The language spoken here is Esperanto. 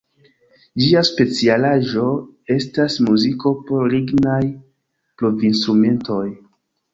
Ĝia specialaĵo estas muziko por lignaj blovinstrumentoj.